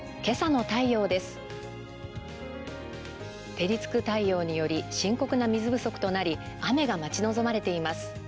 照りつく太陽により深刻な水不足となり雨が待ち望まれています。